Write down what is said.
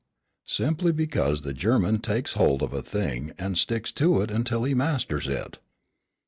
Simply because the German takes hold of a thing, and sticks to it until he masters it.